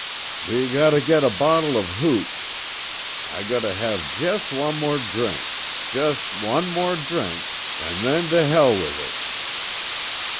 "We got to get a bottle of hooch. I got to have jus' one more drink. Jus' one more drink, an' then to hell wish it."